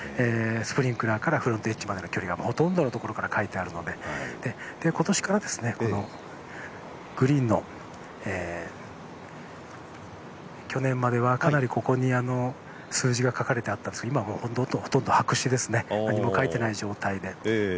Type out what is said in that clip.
スプリンクラーからフロントエッジまでの距離がほとんどのところから書いてあるので去年まではかなり、ここに数字が書かれていたんですけども今はほとんど白紙ですね何も書いていない状態で。